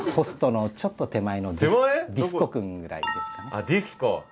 あっディスコ。